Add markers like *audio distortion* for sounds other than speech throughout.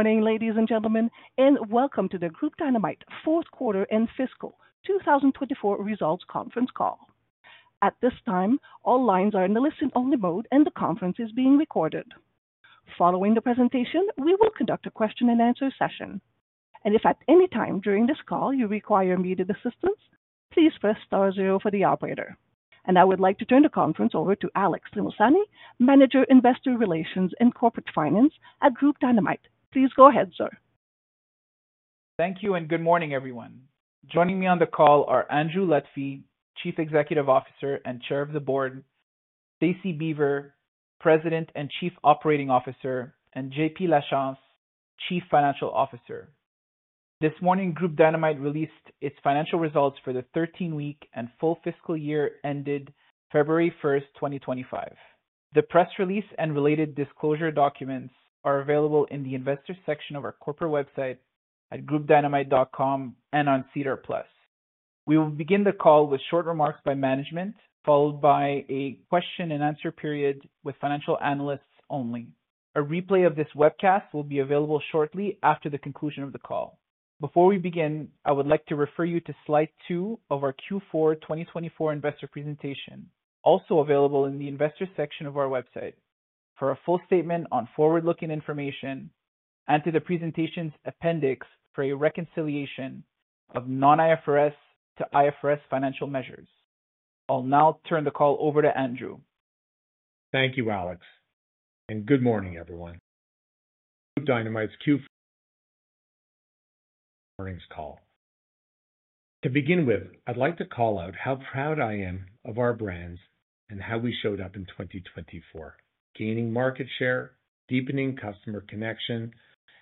Morning, ladies and gentlemen, and welcome to the Groupe Dynamite fourth quarter and fiscal 2024 results conference call. At this time, all lines are in the listen-only mode, and the conference is being recorded. Following the presentation, we will conduct a question-and-answer session. If at any time during this call you require immediate assistance, please press star zero for the operator. I would like to turn the conference over to Alex Limosani, Manager Investor Relations and Corporate Finance at Groupe Dynamite. Please go ahead, sir. Thank you, and good morning, everyone. Joining me on the call are Andrew Lutfy, Chief Executive Officer and Chair of the Board; Stacie Beaver, President and Chief Operating Officer; and JP Lachance, Chief Financial Officer. This morning, Groupe Dynamite released its financial results for the 13-week and full fiscal year ended February 1, 2025. The press release and related disclosure documents are available in the Investor section of our corporate website at groupedynamite.com and on SEDAR+. We will begin the call with short remarks by management, followed by a question-and-answer period with financial analysts only. A replay of this webcast will be available shortly after the conclusion of the call. Before we begin, I would like to refer you to Slide 2 of our Q4 2024 investor presentation, also available in the Investor section of our website, for a full statement on forward-looking information and to the presentation's appendix for a reconciliation of non-IFRS to IFRS financial measures. I'll now turn the call over to Andrew. Thank you, Alex, and good morning, everyone. Groupe Dynamite's Q4 earnings call. To begin with, I'd like to call out how proud I am of our brands and how we showed up in 2024, gaining market share, deepening customer connection,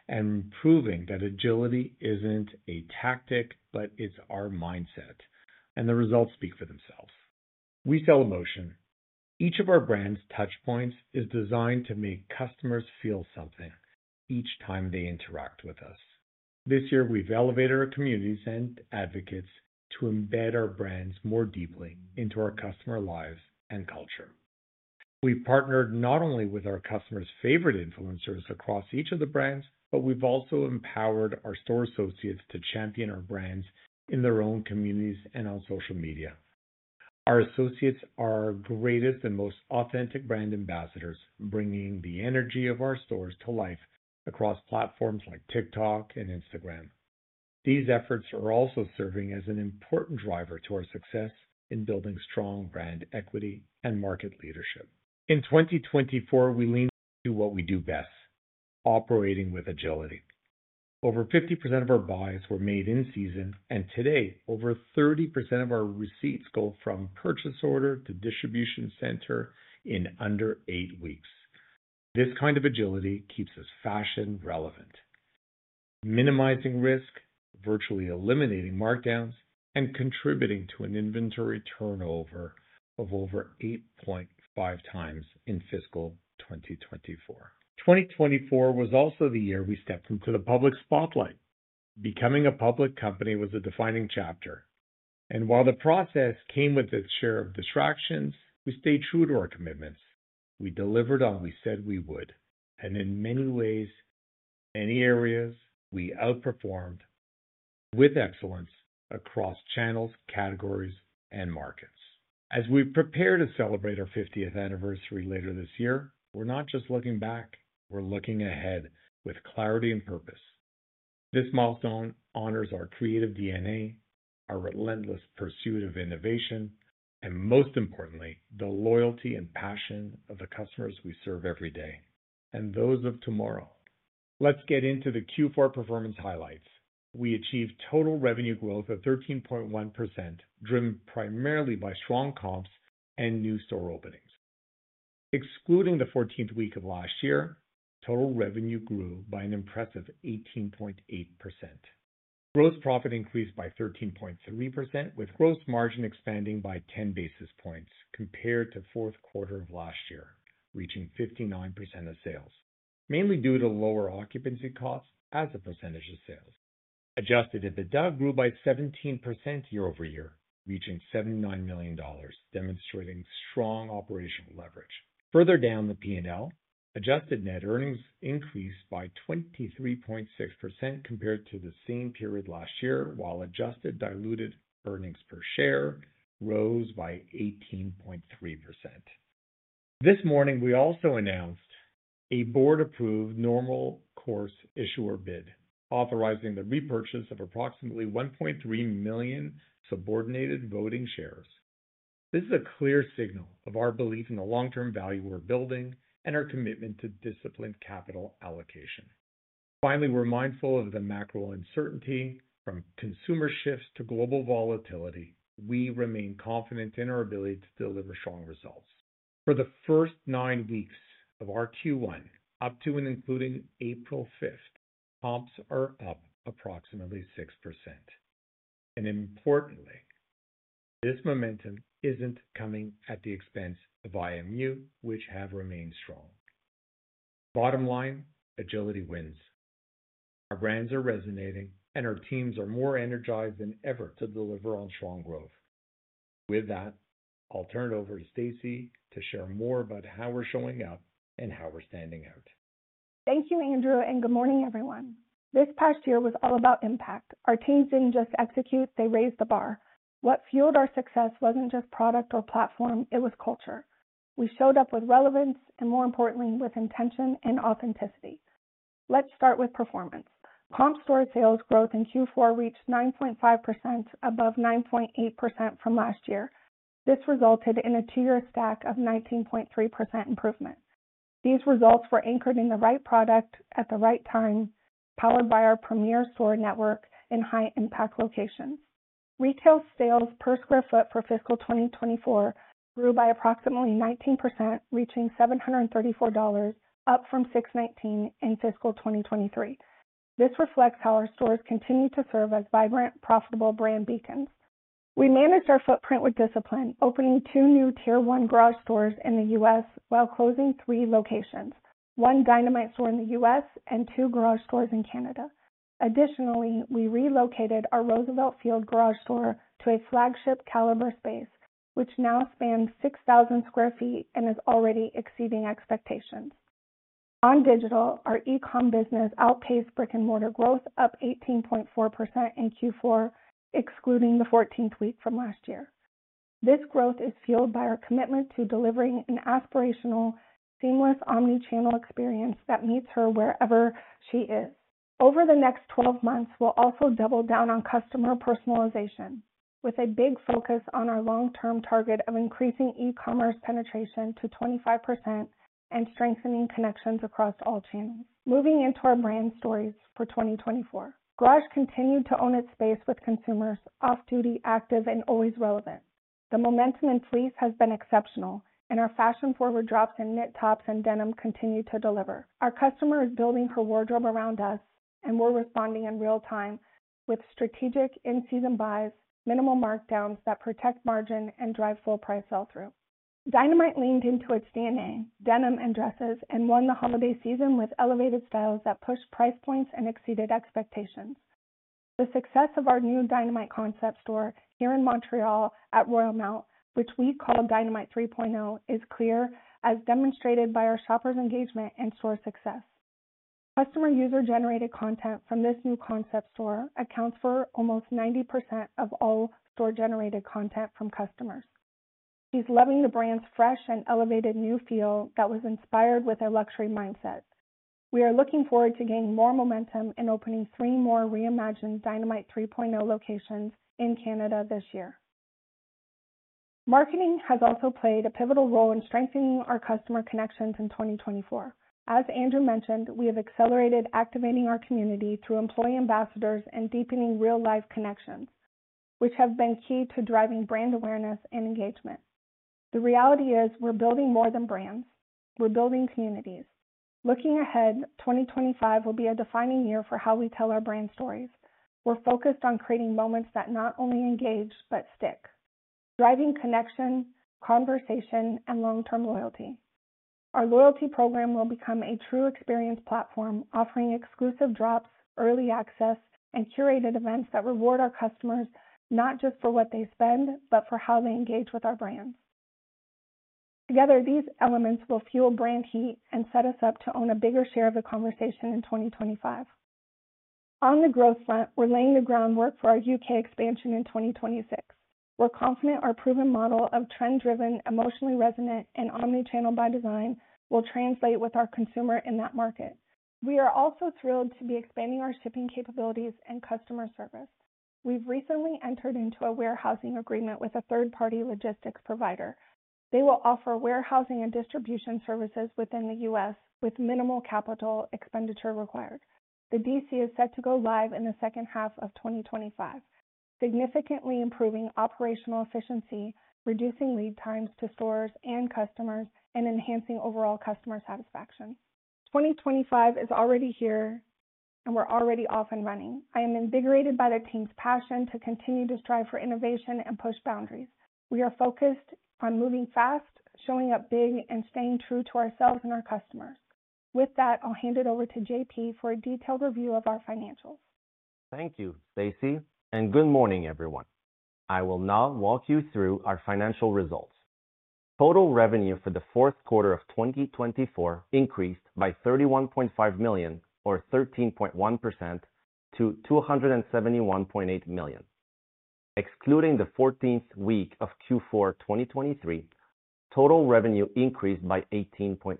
and proving that agility isn't a tactic, but it's our mindset, and the results speak for themselves. We sell emotion. Each of our brands' touchpoints is designed to make customers feel something each time they interact with us. This year, we've elevated our communities and advocates to embed our brands more deeply into our customer lives and culture. We've partnered not only with our customers' favorite influencers across each of the brands, but we've also empowered our store associates to champion our brands in their own communities and on social media. Our associates are our greatest and most authentic brand ambassadors, bringing the energy of our stores to life across platforms like TikTok and Instagram. These efforts are also serving as an important driver to our success in building strong brand equity and market leadership. In 2024, we leaned into what we do best: operating with agility. Over 50% of our buys were made in season, and today, over 30% of our receipts go from purchase order to distribution center in under eight weeks. This kind of agility keeps us fashion-relevant, minimizing risk, virtually eliminating markdowns, and contributing to an inventory turnover of over 8.5 times in fiscal 2024. 2024 was also the year we stepped into the public spotlight. Becoming a public company was a defining chapter. While the process came with its share of distractions, we stayed true to our commitments. We delivered on what we said we would, and in many ways, in many areas, we outperformed with excellence across channels, categories, and markets. As we prepare to celebrate our 50th anniversary later this year, we're not just looking back; we're looking ahead with clarity and purpose. This milestone honors our creative DNA, our relentless pursuit of innovation, and most importantly, the loyalty and passion of the customers we serve every day, and those of tomorrow. Let's get into the Q4 performance highlights. We achieved total revenue growth of 13.1%, driven primarily by strong comps and new store openings. Excluding the 14th week of last year, total revenue grew by an impressive 18.8%. Gross profit increased by 13.3%, with gross margin expanding by 10 basis points compared to the fourth quarter of last year, reaching 59% of sales, mainly due to lower occupancy costs as a percentage of sales. Adjusted EBITDA grew by 17% year over year, reaching $79 million, demonstrating strong operational leverage. Further down the P&L, adjusted net earnings increased by 23.6% compared to the same period last year, while adjusted diluted earnings per share rose by 18.3%. This morning, we also announced a board-approved normal course issuer bid, authorizing the repurchase of approximately 1.3 million subordinated voting shares. This is a clear signal of our belief in the long-term value we're building and our commitment to disciplined capital allocation. Finally, we're mindful of the macro uncertainty from consumer shifts to global volatility. We remain confident in our ability to deliver strong results. For the first nine weeks of our Q1, up to and including April 5th, comps are up approximately 6%. Importantly, this momentum isn't coming at the expense of IMU, which have remained strong. Bottom line, agility wins. Our brands are resonating, and our teams are more energized than ever to deliver on strong growth. With that, I'll turn it over to Stacie to share more about how we're showing up and how we're standing out. Thank you, Andrew, and good morning, everyone. This past year was all about impact. Our teams did not just execute; they raised the bar. What fueled our success was not just product or platform; it was culture. We showed up with relevance and, more importantly, with intention and authenticity. Let's start with performance. Comp store sales growth in Q4 reached 9.5%, above 9.8% from last year. This resulted in a two-year stack of 19.3% improvement. These results were anchored in the right product at the right time, powered by our premier store network in high-impact locations. Retail sales per sq ft for fiscal 2024 grew by approximately 19%, reaching $734, up from $619 in fiscal 2023. This reflects how our stores continue to serve as vibrant, profitable brand beacons. We managed our footprint with discipline, opening two new tier-one Garage stores in the U.S. while closing three locations: one Dynamite store in the U.S. and two Garage stores in Canada. Additionally, we relocated our Roosevelt Field Garage store to a flagship caliber space, which now spans 6,000 sq ft and is already exceeding expectations. On digital, our e-com business outpaced brick-and-mortar growth, up 18.4% in Q4, excluding the 14th week from last year. This growth is fueled by our commitment to delivering an aspirational, seamless omnichannel experience that meets her wherever she is. Over the next 12 months, we will also double down on customer personalization, with a big focus on our long-term target of increasing e-commerce penetration to 25% and strengthening connections across all channels. Moving into our brand stories for 2024, Garage continued to own its space with consumers off-duty, active, and always relevant. The momentum in fleece has been exceptional, and our fashion-forward drops in knit tops and denim continue to deliver. Our customer is building her wardrobe around us, and we're responding in real time with strategic in-season buys, minimal markdowns that protect margin and drive full-price sell-through. Dynamite leaned into its DNA, denim, and dresses, and won the holiday season with elevated styles that pushed price points and exceeded expectations. The success of our new Dynamite concept store here in Montreal at Royal Mount, which we call Dynamite 3.0, is clear, as demonstrated by our shoppers' engagement and store success. Customer user-generated content from this new concept store accounts for almost 90% of all store-generated content from customers. She's loving the brand's fresh and elevated new feel that was inspired with a luxury mindset. We are looking forward to gaining more momentum and opening three more reimagined Dynamite 3.0 locations in Canada this year. Marketing has also played a pivotal role in strengthening our customer connections in 2024. As Andrew mentioned, we have accelerated activating our community through employee ambassadors and deepening real-life connections, which have been key to driving brand awareness and engagement. The reality is we're building more than brands; we're building communities. Looking ahead, 2025 will be a defining year for how we tell our brand stories. We're focused on creating moments that not only engage but stick, driving connection, conversation, and long-term loyalty. Our loyalty program will become a true experience platform, offering exclusive drops, early access, and curated events that reward our customers not just for what they spend, but for how they engage with our brands. Together, these elements will fuel brand heat and set us up to own a bigger share of the conversation in 2025. On the growth front, we're laying the groundwork for our U.K. expansion in 2026. We're confident our proven model of trend-driven, emotionally resonant, and omnichannel by design will translate with our consumer in that market. We are also thrilled to be expanding our shipping capabilities and customer service. We've recently entered into a warehousing agreement with a third-party logistics provider. They will offer warehousing and distribution services within the U.S. with minimal capital expenditure required. The DC is set to go live in the second half of 2025, significantly improving operational efficiency, reducing lead times to stores and customers, and enhancing overall customer satisfaction. 2025 is already here, and we're already off and running. I am invigorated by the team's passion to continue to strive for innovation and push boundaries. We are focused on moving fast, showing up big, and staying true to ourselves and our customers. With that, I'll hand it over to JP for a detailed review of our financials. Thank you, Stacie, and good morning, everyone. I will now walk you through our financial results. Total revenue for the fourth quarter of 2024 increased by $31.5 million, or 13.1%, to $271.8 million. Excluding the 14th week of Q4 2023, total revenue increased by 18.8%.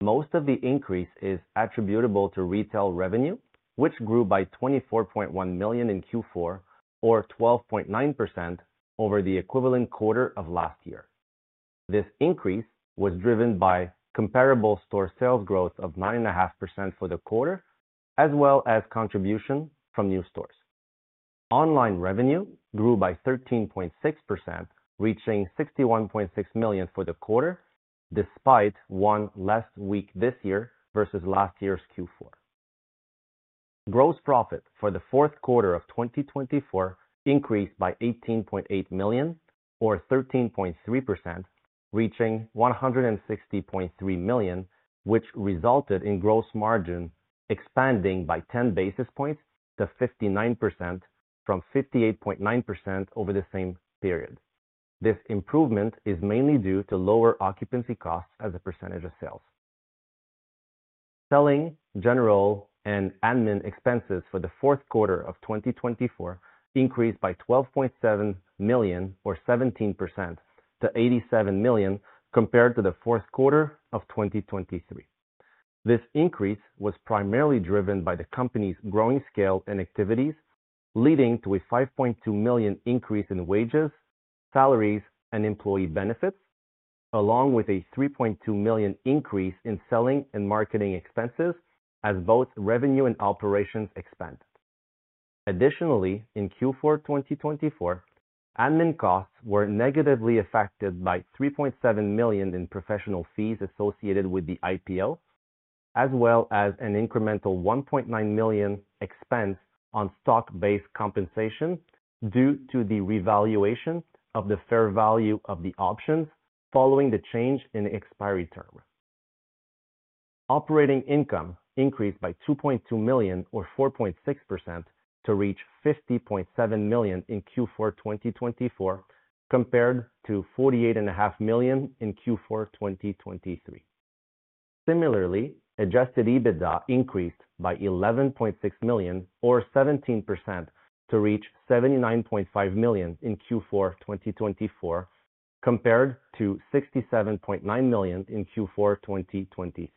Most of the increase is attributable to retail revenue, which grew by $24.1 million in Q4, or 12.9% over the equivalent quarter of last year. This increase was driven by comparable store sales growth of 9.5% for the quarter, as well as contribution from new stores. Online revenue grew by 13.6%, reaching $61.6 million for the quarter, despite one less week this year versus last year's Q4. Gross profit for the fourth quarter of 2024 increased by $18.8 million, or 13.3%, reaching $160.3 million, which resulted in gross margin expanding by 10 basis points to 59% from 58.9% over the same period. This improvement is mainly due to lower occupancy costs as a percentage of sales. Selling, general, and admin expenses for the fourth quarter of 2024 increased by $12.7 million, or 17%, to $87 million compared to the fourth quarter of 2023. This increase was primarily driven by the company's growing scale and activities, leading to a $5.2 million increase in wages, salaries, and employee benefits, along with a $3.2 million increase in selling and marketing expenses as both revenue and operations expanded. Additionally, in Q4 2024, admin costs were negatively affected by $3.7 million in professional fees associated with the IPO, as well as an incremental $1.9 million expense on stock-based compensation due to the revaluation of the fair value of the options following the change in expiry term. Operating income increased by $2.2 million, or 4.6%, to reach $50.7 million in Q4 2024 compared to $48.5 million in Q4 2023. Similarly, adjusted EBITDA increased by $11.6 million, or 17%, to reach $79.5 million in Q4 2024 compared to $67.9 million in Q4 2023.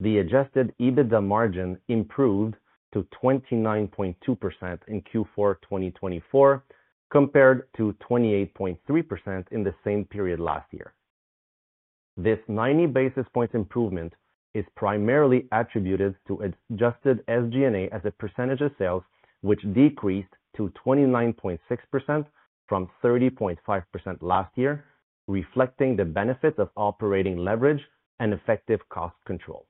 The adjusted EBITDA margin improved to 29.2% in Q4 2024 compared to 28.3% in the same period last year. This 90 basis point improvement is primarily attributed to adjusted SG&A as a percentage of sales, which decreased to 29.6% from 30.5% last year, reflecting the benefits of operating leverage and effective cost control.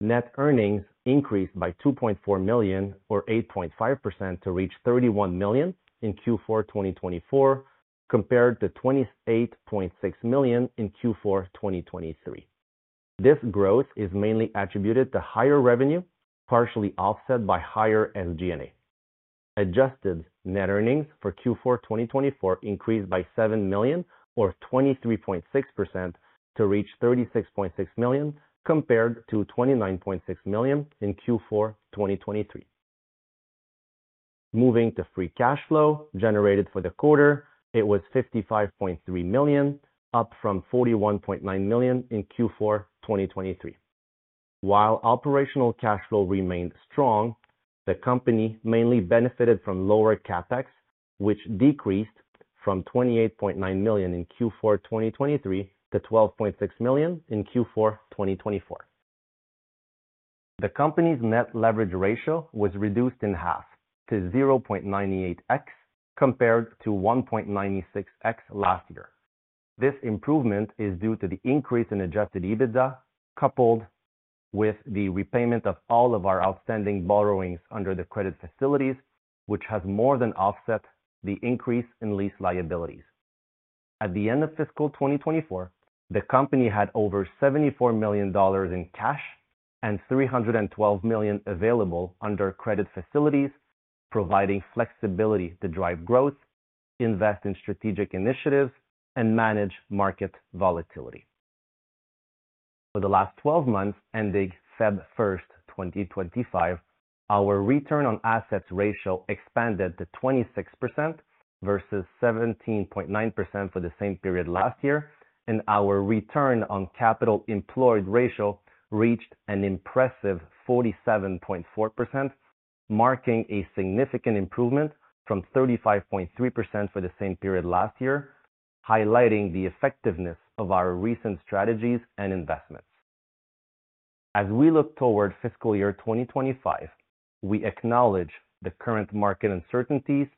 Net earnings increased by $2.4 million, or 8.5%, to reach $31 million in Q4 2024 compared to $28.6 million in Q4 2023. This growth is mainly attributed to higher revenue, partially offset by higher SG&A. Adjusted net earnings for Q4 2024 increased by $7 million, or 23.6%, to reach $36.6 million compared to $29.6 million in Q4 2023. Moving to free cash flow generated for the quarter, it was $55.3 million, up from $41.9 million in Q4 2023. While operational cash flow remained strong, the company mainly benefited from lower CapEx, which decreased from $28.9 million in Q4 2023 to $12.6 million in Q4 2024. The company's net leverage ratio was reduced in half to 0.98x compared to 1.96x last year. This improvement is due to the increase in adjusted EBITDA, coupled with the repayment of all of our outstanding borrowings under the credit facilities, which has more than offset the increase in lease liabilities. At the end of fiscal 2024, the company had over $74 million in cash and $312 million available under credit facilities, providing flexibility to drive growth, invest in strategic initiatives, and manage market volatility. For the last 12 months, ending February 1, 2025, our return on assets ratio expanded to 26% versus 17.9% for the same period last year, and our return on capital employed ratio reached an impressive 47.4%, marking a significant improvement from 35.3% for the same period last year, highlighting the effectiveness of our recent strategies and investments. As we look toward fiscal year 2025, we acknowledge the current market uncertainties,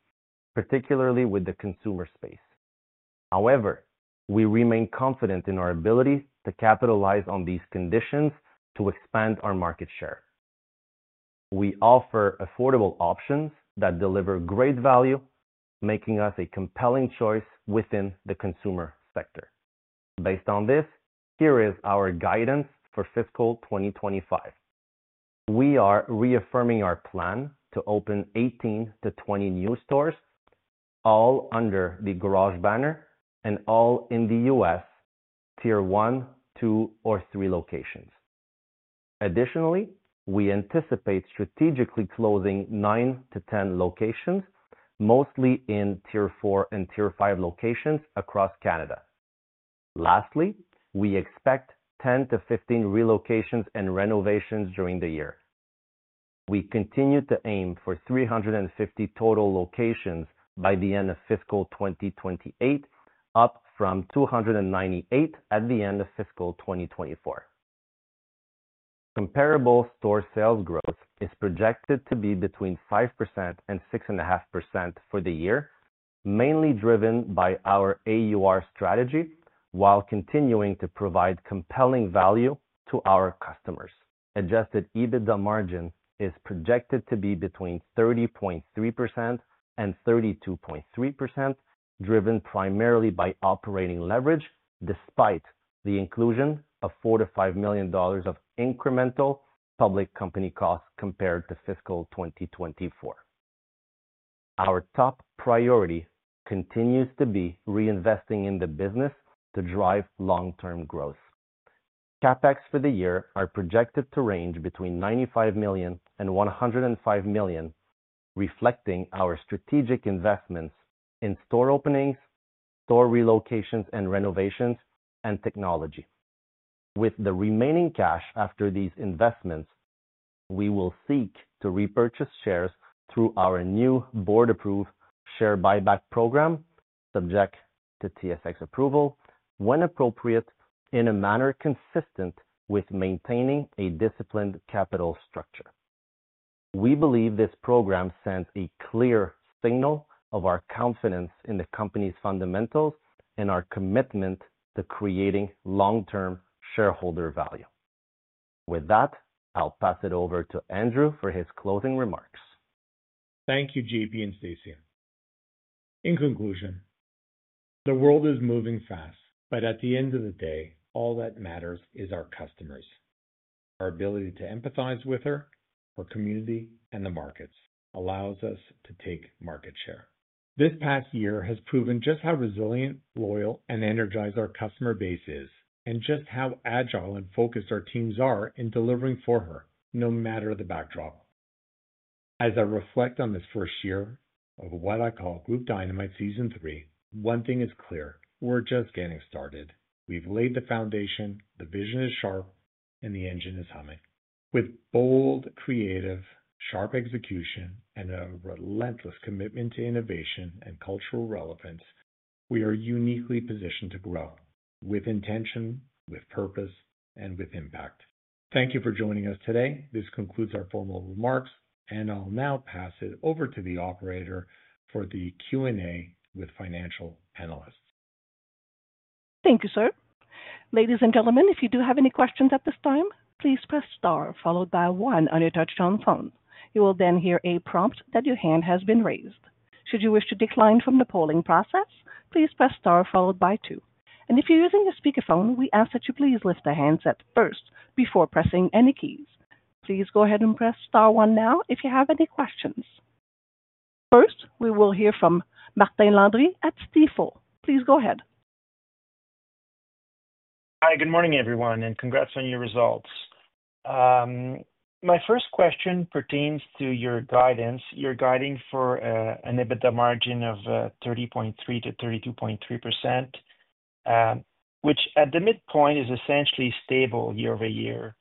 particularly with the consumer space. However, we remain confident in our ability to capitalize on these conditions to expand our market share. We offer affordable options that deliver great value, making us a compelling choice within the consumer sector. Based on this, here is our guidance for fiscal 2025. We are reaffirming our plan to open 18-20 new stores, all under the Garage banner and all in the U.S., tier-one, two, or three locations. Additionally, we anticipate strategically closing 9-10 locations, mostly in tier-4 and tier-5 locations across Canada. Lastly, we expect 10-15 relocations and renovations during the year. We continue to aim for 350 total locations by the end of fiscal 2028, up from 298 at the end of fiscal 2024. Comparable store sales growth is projected to be between 5%-6.5% for the year, mainly driven by our AUR strategy, while continuing to provide compelling value to our customers. Adjusted EBITDA margin is projected to be between 30.3%-32.3%, driven primarily by operating leverage, despite the inclusion of $45 million of incremental public company costs compared to fiscal 2024. Our top priority continues to be reinvesting in the business to drive long-term growth. CapEx for the year are projected to range between $95 million and $105 million, reflecting our strategic investments in store openings, store relocations and renovations, and technology. With the remaining cash after these investments, we will seek to repurchase shares through our new board-approved share buyback program, subject to TSX approval when appropriate, in a manner consistent with maintaining a disciplined capital structure. We believe this program sends a clear signal of our confidence in the company's fundamentals and our commitment to creating long-term shareholder value. With that, I'll pass it over to Andrew for his closing remarks. Thank you, JP and Stacie. In conclusion, the world is moving fast, but at the end of the day, all that matters is our customers. Our ability to empathize with her, her community, and the markets allows us to take market share. This past year has proven just how resilient, loyal, and energized our customer base is, and just how agile and focused our teams are in delivering for her, no matter the backdrop. As I reflect on this first year of what I call Groupe Dynamite Season 3, one thing is clear: we're just getting started. We've laid the foundation, the vision is sharp, and the engine is humming. With bold, creative, sharp execution, and a relentless commitment to innovation and cultural relevance, we are uniquely positioned to grow with intention, with purpose, and with impact. Thank you for joining us today. This concludes our formal remarks, and I'll now pass it over to the operator for the Q&A with financial analysts. Thank you, sir. Ladies and gentlemen, if you do have any questions at this time, please press star, followed by one on your touch-tone phone. You will then hear a prompt that your hand has been raised. Should you wish to decline from the polling process, please press star, followed by two. If you're using a speakerphone, we ask that you please lift the handset first before pressing any keys. Please go ahead and press star one now if you have any questions. First, we will hear from Martin Landry at Stifel. Please go ahead. Hi, good morning, everyone, and congrats on your results. My first question pertains to your guidance. You're guiding for an EBITDA margin of 30.3%-32.3%, which at the midpoint is essentially stable year over year.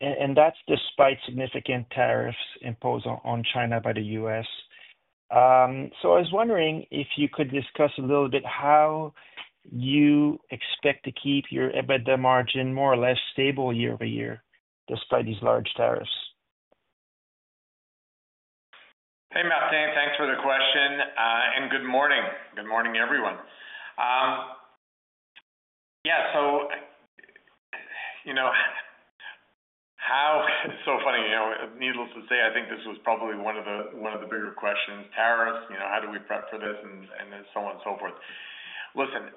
That's despite significant tariffs imposed on China by the U.S. I was wondering if you could discuss a little bit how you expect to keep your EBITDA margin more or less stable year over year despite these large tariffs. Hey, Martin, thanks for the question. And good morning. Good morning, everyone. Yeah, so you know how it's so funny, you know, needless to say, I think this was probably one of the bigger questions: tariffs, you know, how do we prep for this, and so on and so forth. Listen,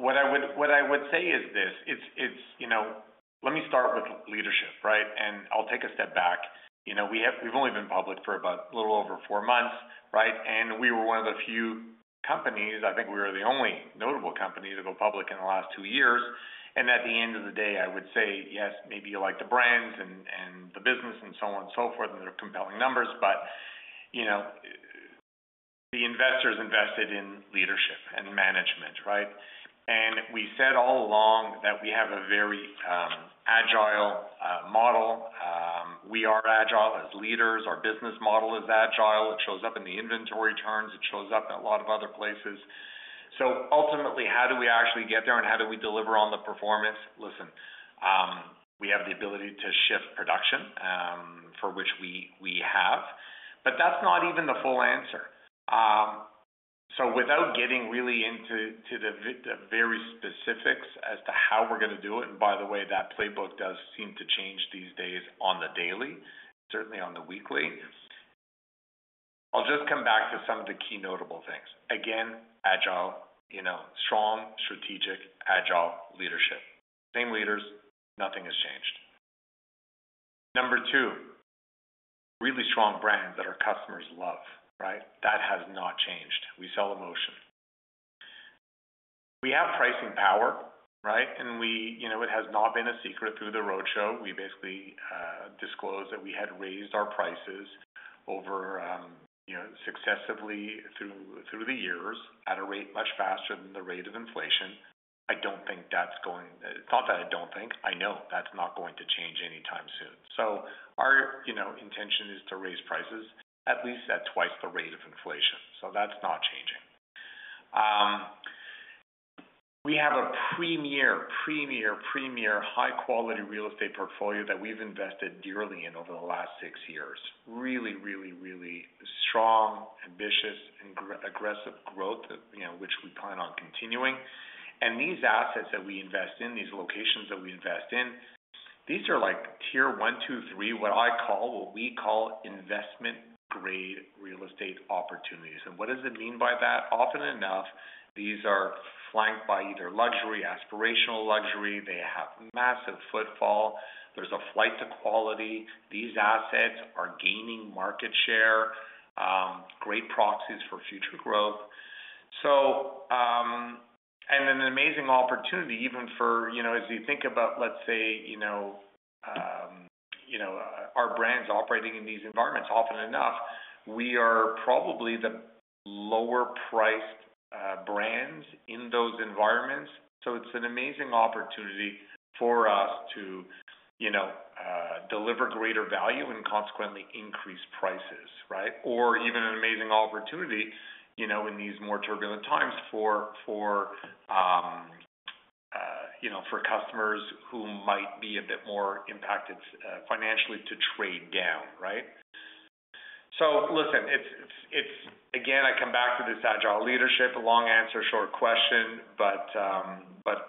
what I would say is this: it's, you know, let me start with leadership, right? And I'll take a step back. You know, we've only been public for about a little over four months, right? And we were one of the few companies, I think we were the only notable company to go public in the last two years. At the end of the day, I would say, yes, maybe you like the brands and the business and so on and so forth, and they're compelling numbers. But, you know, the investors invested in leadership and management, right? We said all along that we have a very agile model. We are agile as leaders. Our business model is agile. It shows up in the inventory terms. It shows up in a lot of other places. Ultimately, how do we actually get there and how do we deliver on the performance? Listen, we have the ability to shift production, for which we have. That is not even the full answer. Without getting really into the very specifics as to how we are going to do it, and by the way, that playbook does seem to change these days on the daily, certainly on the weekly. I will just come back to some of the key notable things. Again, agile, you know, strong, strategic, agile leadership. Same leaders, nothing has changed. Number two, really strong brands that our customers love, right? That has not changed. We sell emotion. We have pricing power, right? And we, you know, it has not been a secret through the roadshow. We basically disclosed that we had raised our prices over, you know, successively through the years at a rate much faster than the rate of inflation. I don't think that's going—not that I don't think; I know that's not going to change anytime soon. Our, you know, intention is to raise prices at least at twice the rate of inflation. That's not changing. We have a premier, premier, premier high-quality real estate portfolio that we've invested dearly in over the last six years. Really, really, really strong, ambitious, and aggressive growth, you know, which we plan on continuing. These assets that we invest in, these locations that we invest in, these are like tier-one, two, three, what I call, what we call investment-grade real estate opportunities. What does it mean by that? Often enough, these are flanked by either luxury, aspirational luxury. They have massive footfall. There is a flight to quality. These assets are gaining market share, great proxies for future growth. An amazing opportunity even for, you know, as you think about, let's say, you know, our brands operating in these environments. Often enough, we are probably the lower-priced brands in those environments. It is an amazing opportunity for us to, you know, deliver greater value and consequently increase prices, right? Even an amazing opportunity, you know, in these more turbulent times for, you know, for customers who might be a bit more impacted financially to trade down, right? Listen, it's, it's, it's again, I come back to this agile leadership, a long answer, short question, but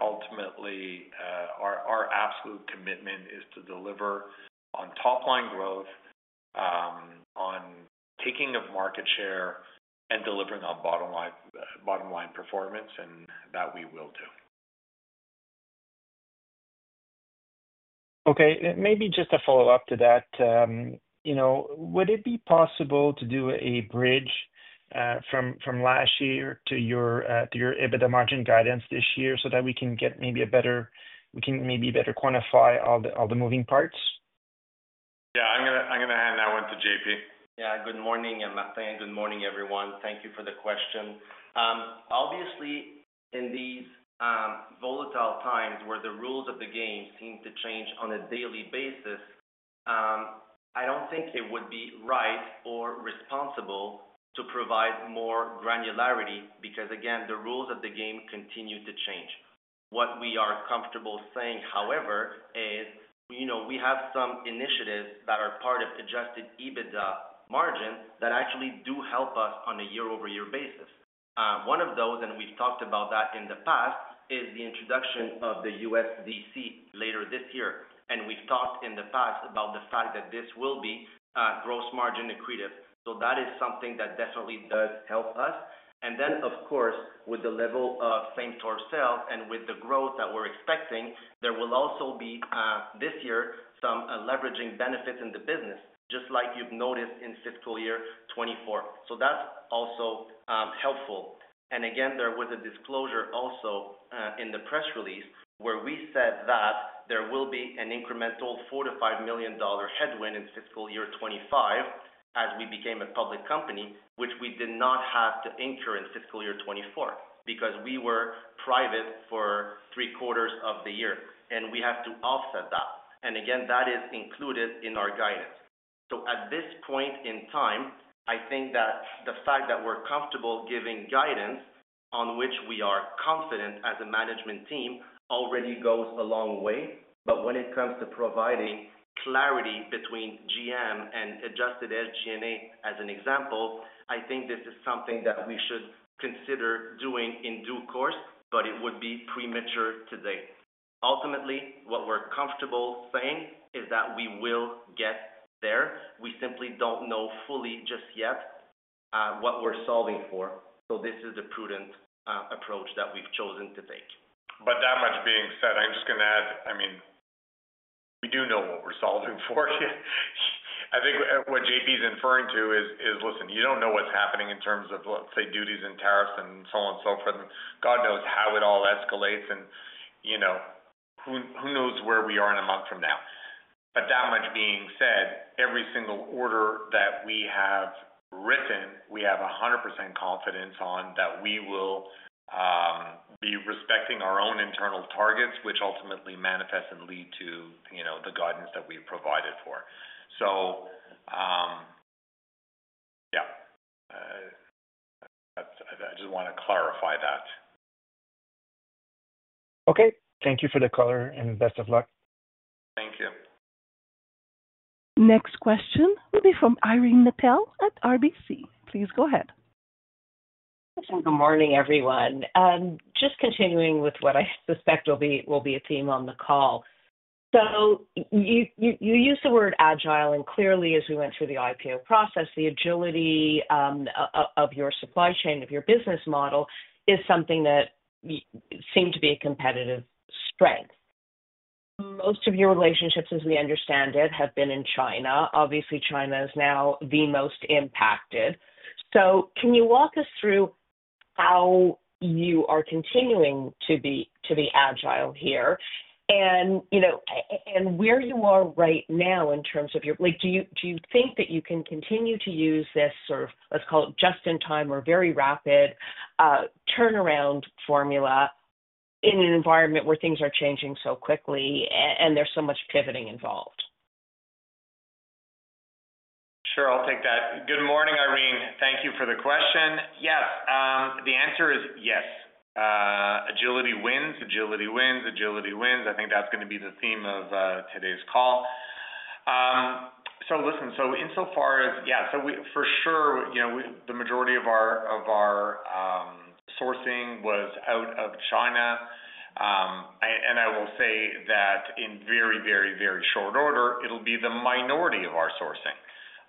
ultimately, our absolute commitment is to deliver on top-line growth, on taking of market share, and delivering on bottom-line performance, and that we will do. Okay. Maybe just a follow-up to that. You know, would it be possible to do a bridge from last year to your EBITDA margin guidance this year so that we can get maybe a better—we can maybe better quantify all the moving parts? Yeah, I'm going to hand that one to JP. Yeah, good morning, and Martin, good morning, everyone. Thank you for the question. Obviously, in these volatile times where the rules of the game seem to change on a daily basis, I don't think it would be right or responsible to provide more granularity because, again, the rules of the game continue to change. What we are comfortable saying, however, is, you know, we have some initiatives that are part of adjusted EBITDA margin that actually do help us on a year-over-year basis. One of those, and we've talked about that in the past, is the introduction of the U.S. DC later this year. We have talked in the past about the fact that this will be gross margin accretive. That is something that definitely does help us. Of course, with the level of same-store sales and with the growth that we're expecting, there will also be this year some leveraging benefits in the business, just like you've noticed in fiscal year 2024. That is also helpful. There was a disclosure also in the press release where we said that there will be an incremental $4-$5 million headwind in fiscal year 2025 as we became a public company, which we did not have to incur in fiscal year 2024 because we were private for three quarters of the year. We have to offset that. That is included in our guidance. At this point in time, I think that the fact that we're comfortable giving guidance on which we are confident as a management team already goes a long way. When it comes to providing clarity between GM and adjusted SG&A as an example, I think this is something that we should consider doing in due course, but it would be premature today. Ultimately, what we're comfortable saying is that we will get there. We simply don't know fully just yet what we're solving for. This is the prudent approach that we've chosen to take. That much being said, I'm just going to add, I mean, we do know what we're solving for. I think what JP is inferring to is, listen, you don't know what's happening in terms of, let's say, duties and tariffs and so on and so forth. God knows how it all escalates and, you know, who knows where we are in a month from now. That much being said, every single order that we have written, we have 100% confidence on that we will be respecting our own internal targets, which ultimately manifest and lead to, you know, the guidance that we've provided for. Yeah, I just want to clarify that. Okay. Thank you for the color and best of luck. Thank you. Next question will be from Irene Nattel at RBC. Please go ahead. Good morning, everyone. Just continuing with what I suspect will be a theme on the call. You used the word agile, and clearly, as we went through the IPO process, the agility of your supply chain, of your business model, is something that seemed to be a competitive strength. Most of your relationships, as we understand it, have been in China. Obviously, China is now the most impacted. Can you walk us through how you are continuing to be agile here and, you know, where you are right now in terms of your—do you think that you can continue to use this sort of, let's call it, just-in-time or very rapid turnaround formula in an environment where things are changing so quickly and there's so much pivoting involved? Sure, I'll take that. Good morning, Irene. Thank you for the question. Yes, the answer is yes. Agility wins, agility wins, agility wins. I think that's going to be the theme of today's insofar as, yeah, for sure, you know, the majority of our sourcing was out of China. I will say that in very, very, very short order, it'll be the minority of our sourcing.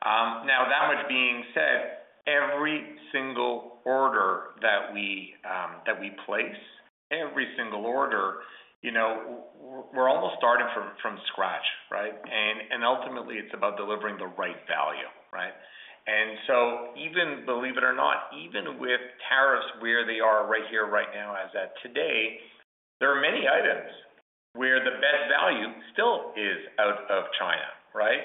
That much being said, every single order that we place, every single order, you know, we're almost starting from scratch, right? Ultimately, it's about delivering the right value, right? Even, believe it or not, even with tariffs where they are right here, right now, as at today, there are many items where the best value still is out of China, right?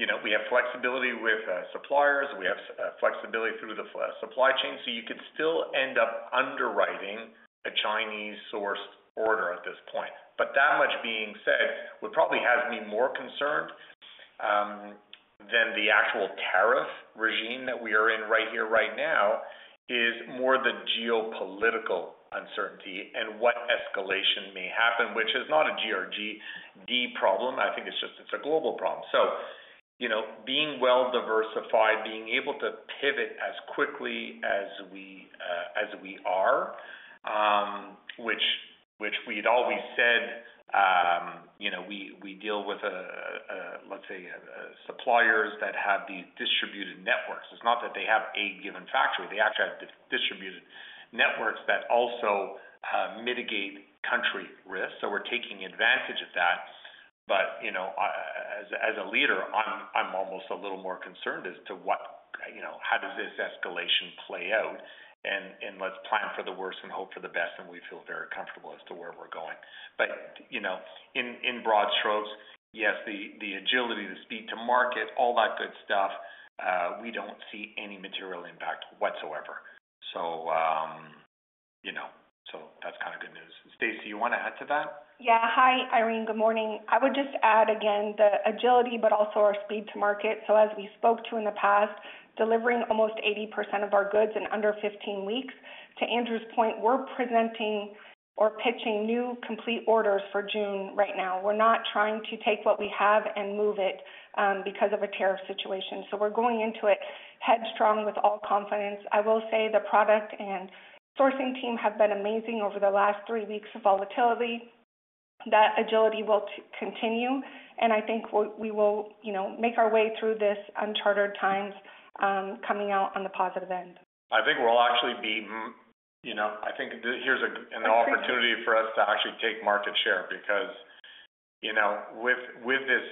You know, we have flexibility with suppliers. We have flexibility through the supply chain. You could still end up underwriting a Chinese-sourced order at this point. That much being said, what probably has me more concerned than the actual tariff regime that we are in right here, right now, is more the geopolitical uncertainty and what escalation may happen, which is not a GRGD problem. I think it's just, it's a global problem. You know, being well-diversified, being able to pivot as quickly as we are, which we'd always said, we deal with, let's say, suppliers that have these distributed networks. It's not that they have a given factory. They actually have distributed networks that also mitigate country risk. We are taking advantage of that. You know, as a leader, I'm almost a little more concerned as to what, you know, how does this escalation play out? Let's plan for the worst and hope for the best, and we feel very comfortable as to where we're going. You know, in broad strokes, yes, the agility, the speed to market, all that good stuff, we don't see any material impact whatsoever. You know, that's kind of good news. Stacie, you want to add to that? Yeah. Hi, Irene. Good morning. I would just add again the agility, but also our speed to market. As we spoke to in the past, delivering almost 80% of our goods in under 15 weeks. To Andrew's point, we're presenting or pitching new complete orders for June right now. We're not trying to take what we have and move it because of a tariff situation. We are going into it headstrong with all confidence. I will say the product and sourcing team have been amazing over the last three weeks of volatility. That agility will continue. I think we will, you know, make our way through this unchartered times coming out on the positive end. I think we'll actually be, you know, I think here's an opportunity for us to actually take market share because, you know, with this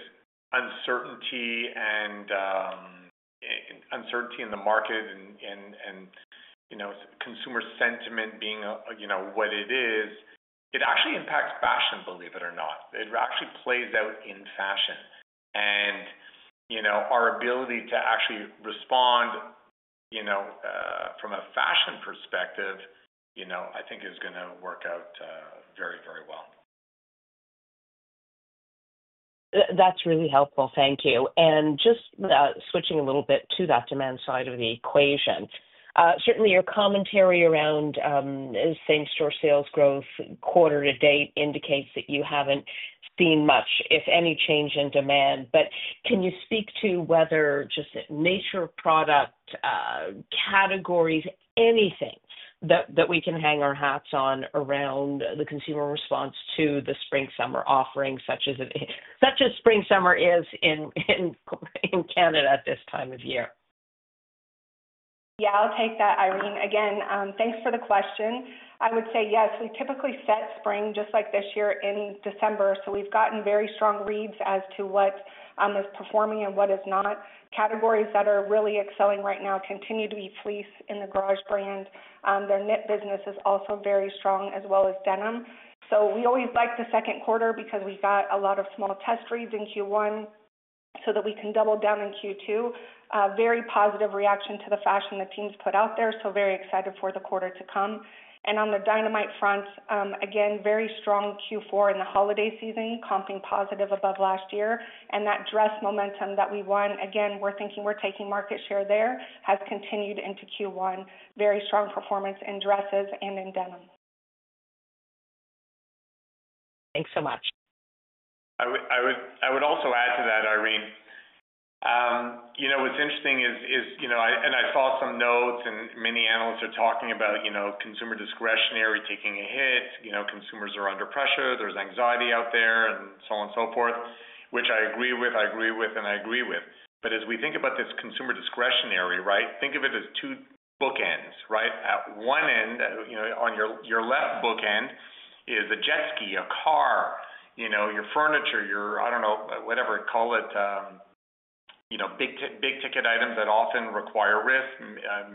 uncertainty and uncertainty in the market and, you know, consumer sentiment being, you know, what it is, it actually impacts fashion, believe it or not. It actually plays out in fashion. You know, our ability to actually respond, you know, from a fashion perspective, you know, I think is going to work out very, very well. That's really helpful. Thank you. Just switching a little bit to that demand side of the equation, certainly your commentary around same-store sales growth quarter to date indicates that you haven't seen much, if any, change in demand. Can you speak to whether just nature product categories, anything that we can hang our hats on around the consumer response to the spring-summer offering, such as spring-summer is in Canada at this time of year? Yeah, I'll take that, Irene. Again, thanks for the question. I would say yes, we typically set spring just like this year in December. We have gotten very strong reads as to what is performing and what is not. Categories that are really excelling right now continue to be fleece in the Garage brand. Their knit business is also very strong as well as denim. We always like the second quarter because we get a lot of small test reads in Q1 so that we can double down in Q2. Very positive reaction to the fashion that teams put out there. Very excited for the quarter to come. On the Dynamite front, again, very strong Q4 in the holiday season, comping positive above last year. That dress momentum that we won, again, we are thinking we are taking market share there, has continued into Q1. Very strong performance in dresses and in denim. Thanks so much. I would also add to that, Irene. You know, what's interesting is, you know, and I saw some notes and many analysts are talking about, you know, consumer discretionary taking a hit. You know, consumers are under pressure. There's anxiety out there and so on and so forth, which I agree with, I agree with, and I agree with. As we think about this consumer discretionary, right, think of it as two bookends, right? At one end, you know, on your left bookend is a jet ski, a car, you know, your furniture, your, I don't know, whatever call it, you know, big ticket items that often require risk,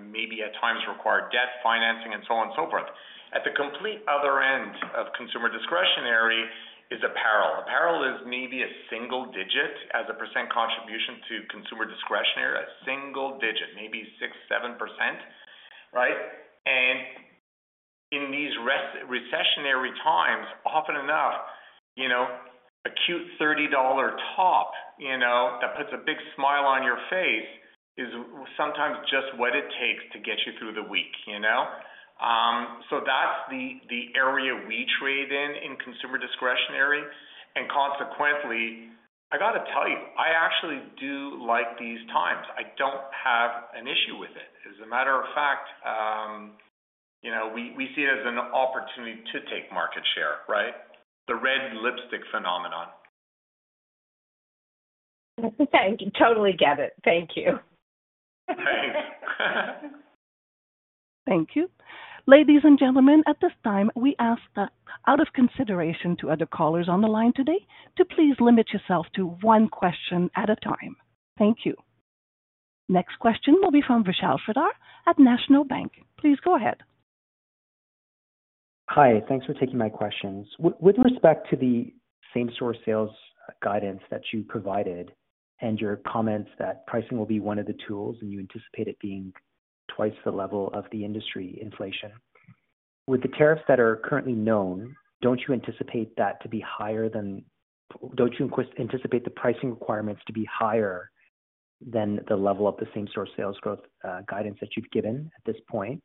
maybe at times require debt financing and so on and so forth. At the complete other end of consumer discretionary is apparel. Apparel is maybe a single digit as a % contribution to consumer discretionary, a single digit, maybe 6%, 7%, right? In these recessionary times, often enough, you know, a cute $30 top, you know, that puts a big smile on your face is sometimes just what it takes to get you through the week, you know? That is the area we trade in in consumer discretionary. Consequently, I got to tell you, I actually do like these times. I do not have an issue with it. As a matter of fact, you know, we see it as an opportunity to take market share, right? The red lipstick phenomenon. I totally get it. Thank you. Thanks. Thank you. Ladies and gentlemen, at this time, we ask out of consideration to other callers on the line today to please limit yourself to one question at a time. Thank you. Next question will be from Vishal Shreedhar at National Bank. Please go ahead. Hi, thanks for taking my questions. With respect to the same-store sales guidance that you provided and your comments that pricing will be one of the tools and you anticipate it being twice the level of the industry inflation, with the tariffs that are currently known, do not you anticipate that to be higher than? Do not you anticipate the pricing requirements to be higher than the level of the same-store sales growth guidance that you have given at this point?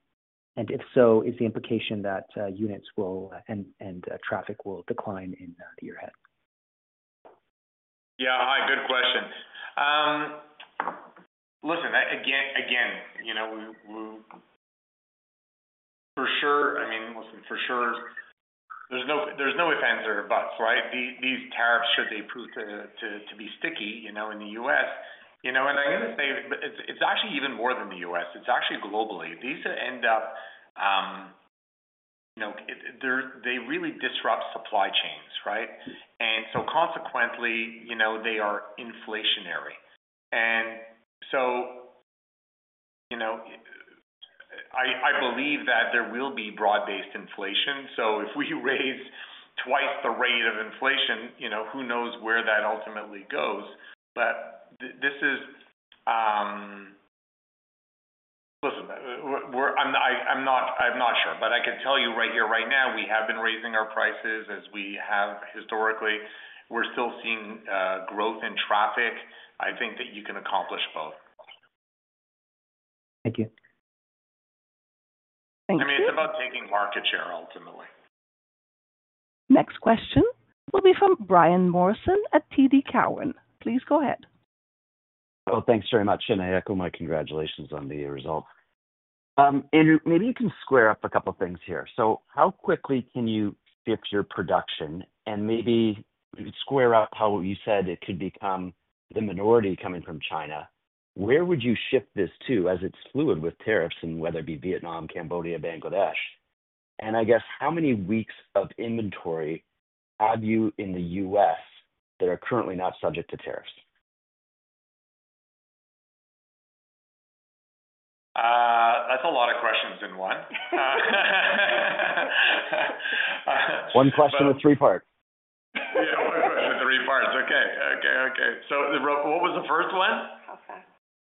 If so, is the implication that units will and traffic will decline in the year ahead? Yeah. Hi, good question. Listen, again, you know, for sure, I mean, listen, for sure, there's no ifs, ands, or buts, right? These tariffs, should they prove to be sticky, you know, in the U.S., you know, and I'm going to say, but it's actually even more than the U.S. It's actually globally. These end up, you know, they really disrupt supply chains, right? Consequently, you know, they are inflationary. You know, I believe that there will be broad-based inflation. If we raise twice the rate of inflation, you know, who knows where that ultimately goes? This is, listen, I'm not sure, but I could tell you right here, right now, we have been raising our prices as we have historically. We're still seeing growth in traffic. I think that you can accomplish both. Thank you. Thank you. I mean, it's about taking market share ultimately. Next question will be from Brian Morrison at TD Cowen. Please go ahead. Thanks very much. I echo my congratulations on the result. Andrew, maybe you can square up a couple of things here. How quickly can you shift your production and maybe square up how you said it could become the minority coming from China? Where would you shift this to as it's fluid with tariffs, whether it be Vietnam, Cambodia, Bangladesh? I guess how many weeks of inventory have you in the U.S. that are currently not subject to tariffs? That's a lot of questions in one. One question with three parts. Yeah, one question with three parts. Okay. Okay. Okay. So what was the first one?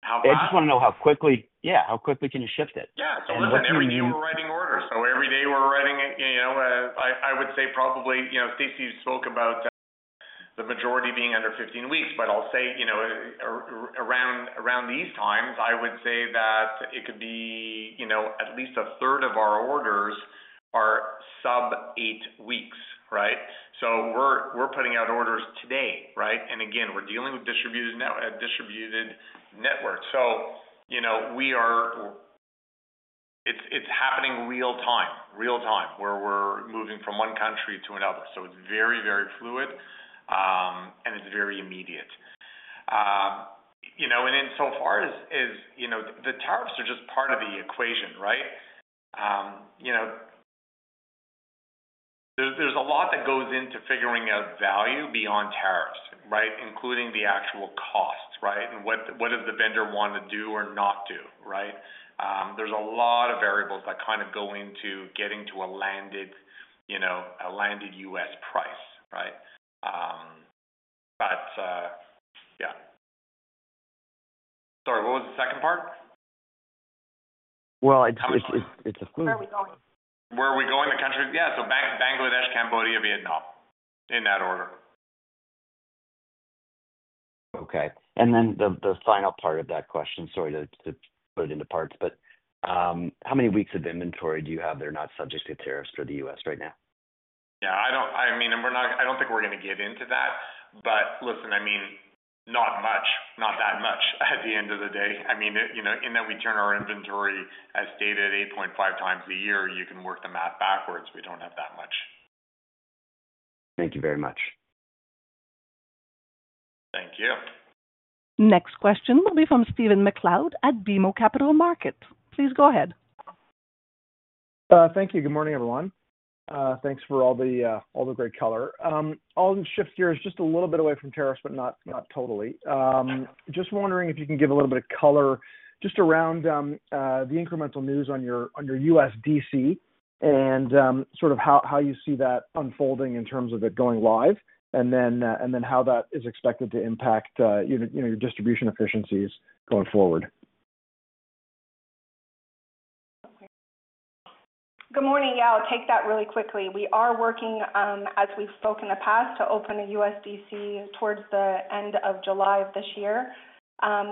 I just want to know how quickly, yeah, how quickly can you shift it? Yeah. So look, everyday, we're writing orders. Every day we're writing, you know, I would say probably, you know, Stacie spoke about the majority being under 15 weeks, but I'll say, you know, around these times, I would say that it could be, you know, at least a third of our orders are sub eight weeks, right? We're putting out orders today, right? Again, we're dealing with distributed networks. You know, we are, it's happening real time, real time where we're moving from one country to another. It's very, very fluid and it's very immediate. You know, insofar as, you know, the tariffs are just part of the equation, right? You know, there's a lot that goes into figuring out value beyond tariffs, right? Including the actual costs, right? What does the vendor want to do or not do, right? There's a lot of variables that kind of go into getting to a landed, you know, a landed U.S. price, right? Yeah. Sorry, what was the second part? *audio distortion* Where are we going? The countries? Yeah. Bangladesh, Cambodia, Vietnam, in that order. Okay. The final part of that question, sorry to split it into parts, but how many weeks of inventory do you have that are not subject to tariffs for the U.S. right now? Yeah. I don't, I mean, I don't think we're going to get into that. Listen, I mean, not much, not that much at the end of the day. I mean, you know, in that we turn our inventory as stated 8.5 times a year, you can work the math backwards. We don't have that much. Thank you very much. Thank you. Next question will be from Stephen MacLeod at BMO Capital Markets. Please go ahead. Thank you. Good morning, everyone. Thanks for all the great color. I'll shift gears just a little bit away from tariffs, but not totally. Just wondering if you can give a little bit of color just around the incremental news on your U.S. DC and sort of how you see that unfolding in terms of it going live and then how that is expected to impact, you know, your distribution efficiencies going forward. Okay. Good morning. Yeah, I'll take that really quickly. We are working, as we've spoke in the past, to open a U.S. DC towards the end of July of this year.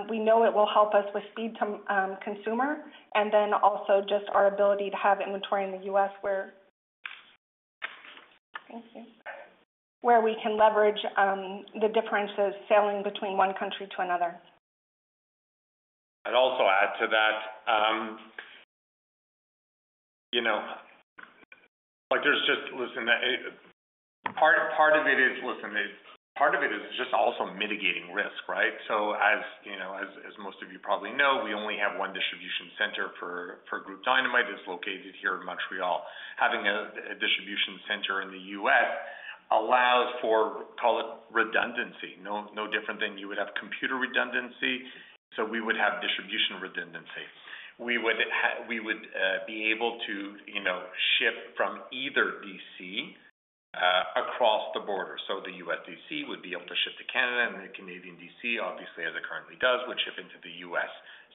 We know it will help us with speed to consumer and then also just our ability to have inventory in the U.S. where we can leverage the differences sailing between one country to another. I'd also add to that, you know, like there's just, listen, part of it is, listen, part of it is just also mitigating risk, right? As most of you probably know, we only have one distribution center for Groupe Dynamite that's located here in Montreal. Having a distribution center in the U.S. allows for, call it redundancy, no different than you would have computer redundancy. We would have distribution redundancy. We would be able to, you know, ship from either DC across the border. The U.S. DC would be able to ship to Canada and the Canadian DC, obviously, as it currently does, would ship into the U.S.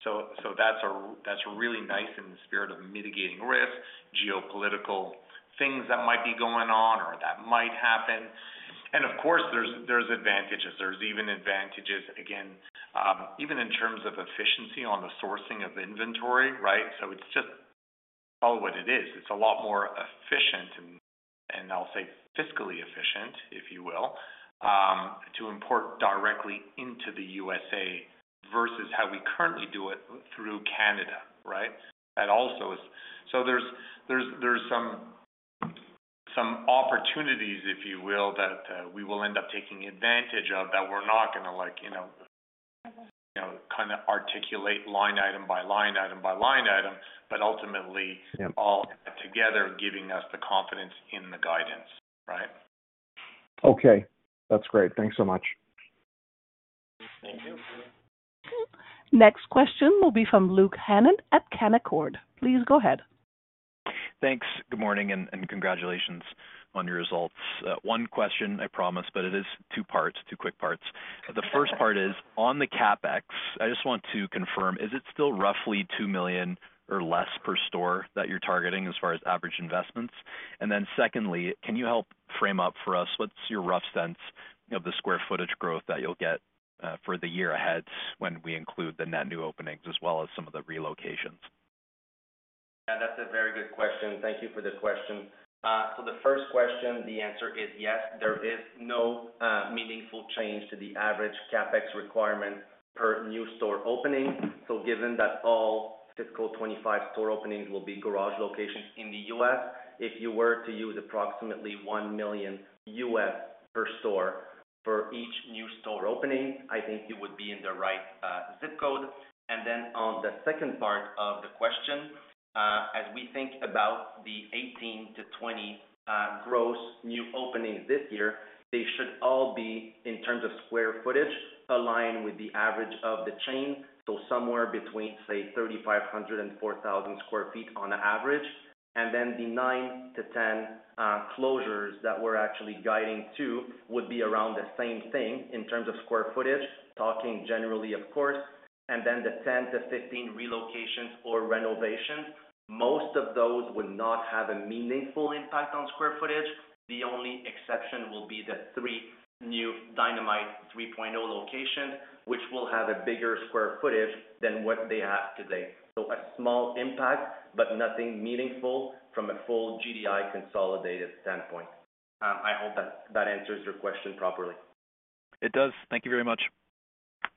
That is really nice in the spirit of mitigating risk, geopolitical things that might be going on or that might happen. Of course, there are advantages. There's even advantages, again, even in terms of efficiency on the sourcing of inventory, right? It's just all what it is. It's a lot more efficient, and I'll say fiscally efficient, if you will, to import directly into the U.S. versus how we currently do it through Canada, right? That also is, so there's some opportunities, if you will, that we will end up taking advantage of that we're not going to, like, you know, kind of articulate line item by line item by line item, but ultimately all together giving us the confidence in the guidance, right? Okay. That's great. Thanks so much. Thank you. Next question will be from Luke Hannan at Canaccord. Please go ahead. Thanks. Good morning and congratulations on your results. One question, I promise, but it is two parts, two quick parts. The first part is on the CapEx, I just want to confirm, is it still roughly $2 million or less per store that you're targeting as far as average investments? And then secondly, can you help frame up for us what's your rough sense of the square footage growth that you'll get for the year ahead when we include the net new openings as well as some of the relocations? Yeah, that's a very good question. Thank you for the question. The first question, the answer is yes. There is no meaningful change to the average CapEx requirement per new store opening. Given that all fiscal 2025 store openings will be Garage locations in the U.S., if you were to use approximately $1 million per store for each new store opening, I think you would be in the right zip code. On the second part of the question, as we think about the 18-20 gross new openings this year, they should all be in terms of square footage aligned with the average of the chain, so somewhere between, say, 3,500 and 4,000 sq ft on average. The 9-10 closures that we're actually guiding to would be around the same thing in terms of square footage, talking generally, of course. The 10-15 relocations or renovations, most of those will not have a meaningful impact on square footage. The only exception will be the three new Dynamite 3.0 locations, which will have a bigger square footage than what they have today. A small impact, but nothing meaningful from a full GDI consolidated standpoint. I hope that answers your question properly. It does. Thank you very much.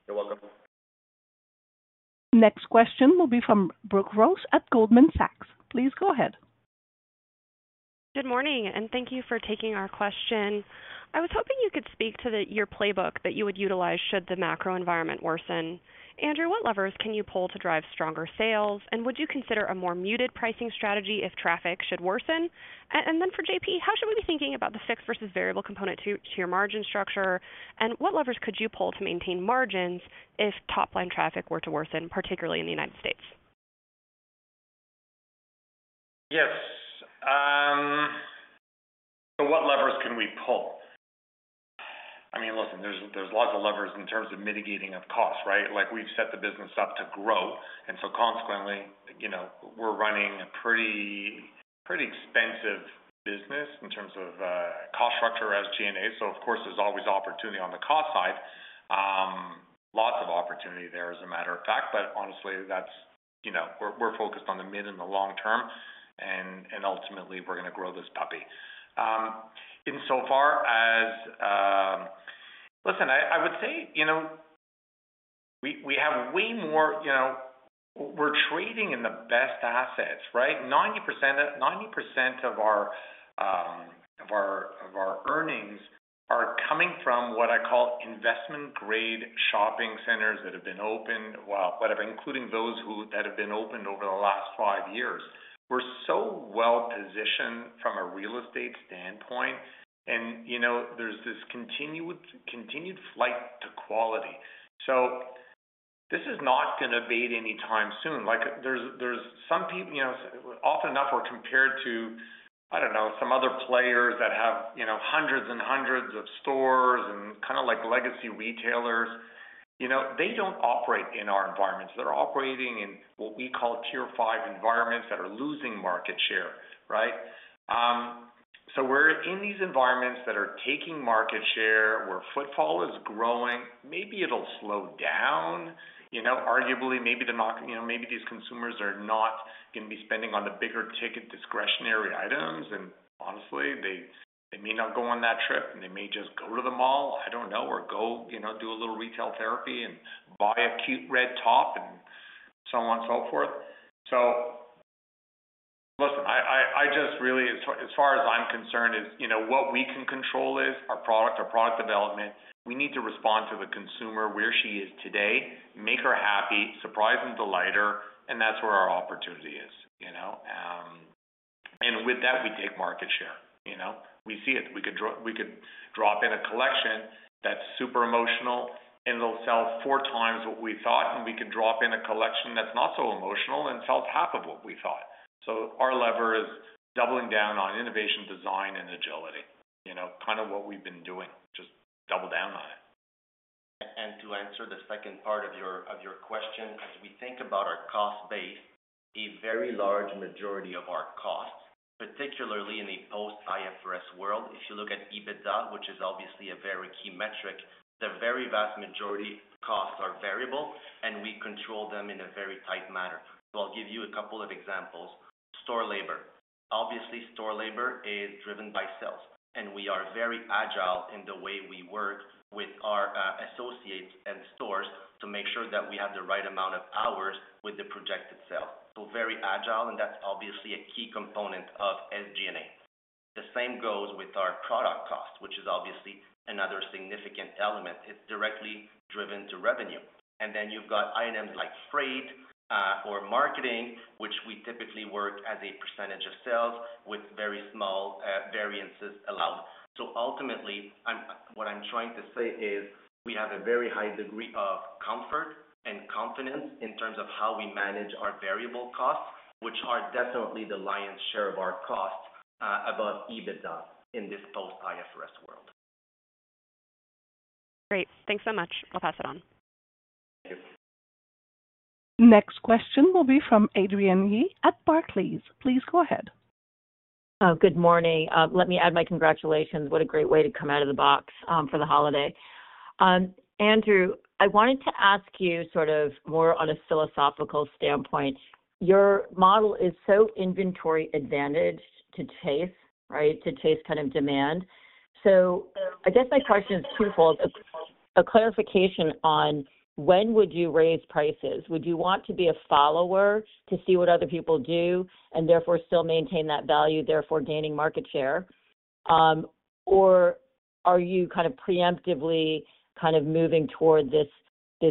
You're welcome. Next question will be from Brooke Roach at Goldman Sachs. Please go ahead. Good morning and thank you for taking our question. I was hoping you could speak to your playbook that you would utilize should the macro environment worsen. Andrew, what levers can you pull to drive stronger sales? Would you consider a more muted pricing strategy if traffic should worsen? For JP, how should we be thinking about the fixed versus variable component to your margin structure? What levers could you pull to maintain margins if top line traffic were to worsen, particularly in the United States? Yes. So what levers can we pull? I mean, listen, there's lots of levers in terms of mitigating of costs, right? Like we've set the business up to grow. Consequently, you know, we're running a pretty expensive business in terms of cost structure as G&A. Of course, there's always opportunity on the cost side. Lots of opportunity there as a matter of fact, but honestly, that's, you know, we're focused on the mid and the long term. Ultimately, we're going to grow this puppy. Insofar as, listen, I would say, you know, we have way more, you know, we're trading in the best assets, right? 90% of our earnings are coming from what I call investment-grade shopping centers that have been opened, whatever, including those that have been opened over the last five years. We're so well positioned from a real estate standpoint. You know, there's this continued flight to quality. This is not going to abate anytime soon. Like, there's some people, you know, often enough, we're compared to, I don't know, some other players that have, you know, hundreds and hundreds of stores and kind of like legacy retailers. You know, they don't operate in our environments. They're operating in what we call tier five environments that are losing market share, right? We're in these environments that are taking market share where footfall is growing. Maybe it'll slow down, you know, arguably maybe these consumers are not going to be spending on the bigger ticket discretionary items. Honestly, they may not go on that trip and they may just go to the mall, I don't know, or go, you know, do a little retail therapy and buy a cute red top and so on and so forth. Listen, I just really, as far as I'm concerned, is, you know, what we can control is our product, our product development. We need to respond to the consumer where she is today, make her happy, surprise and delight her, and that's where our opportunity is, you know? With that, we take market share, you know? We see it. We could drop in a collection that's super emotional and it'll sell four times what we thought, and we could drop in a collection that's not so emotional and sells half of what we thought. Our lever is doubling down on innovation, design, and agility, you know, kind of what we've been doing, just double down on it. To answer the second part of your question, as we think about our cost base, a very large majority of our costs, particularly in the post-IFRS world, if you look at EBITDA, which is obviously a very key metric, the very vast majority of costs are variable and we control them in a very tight manner. I'll give you a couple of examples. Store labor. Obviously, store labor is driven by sales. We are very agile in the way we work with our associates and stores to make sure that we have the right amount of hours with the projected sales. Very agile, and that's obviously a key component of SG&A. The same goes with our product cost, which is obviously another significant element. It's directly driven to revenue. You have items like freight or marketing, which we typically work as a percentage of sales with very small variances allowed. Ultimately, what I'm trying to say is we have a very high degree of comfort and confidence in terms of how we manage our variable costs, which are definitely the lion's share of our costs above EBITDA in this post-IFRS world. Great. Thanks so much. I'll pass it on. Thank you. Next question will be from Adrienne Yih at Barclays. Please go ahead. Good morning. Let me add my congratulations. What a great way to come out of the box for the holiday. Andrew, I wanted to ask you sort of more on a philosophical standpoint. Your model is so inventory advantage to taste, right? To taste kind of demand. I guess my question is twofold. A clarification on when would you raise prices? Would you want to be a follower to see what other people do and therefore still maintain that value, therefore gaining market share? Or are you kind of preemptively kind of moving toward this, you